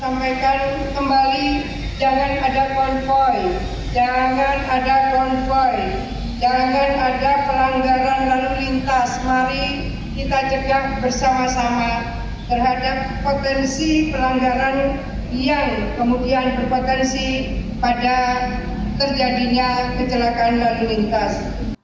kodam v brawijaya juga telah mengingatkan jajaran pengamanan baik polri maupun tni untuk mengantisipasi dan mewaspahidai adanya aksi terorisme atau gangguan lain yang dapat mengacaukan peringatan hari lahir nu tersebut